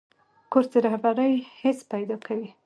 کورس د رهبرۍ حس پیدا کوي.